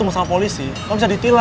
mau gue telpon pak toga